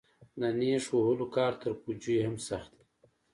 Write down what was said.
د نېش وهلو کار تر پوجيو هم سخت و.